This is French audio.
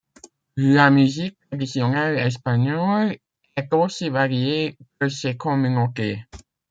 La musique traditionnelle espagnole est aussi variée que ses communautés.